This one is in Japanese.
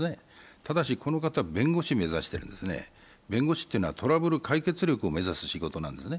ただし、この方は弁護士を目指しているんですね、弁護士というのはトラブル解決力を目指す仕事なんですね。